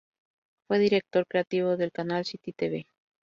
Fue director creativo del canal Citytv.